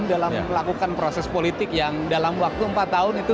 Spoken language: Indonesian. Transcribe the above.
dalam melakukan proses politik yang dalam waktu empat tahun itu